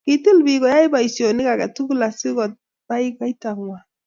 kitil biik koyai boisionik age tugul asikubai kaitang'wany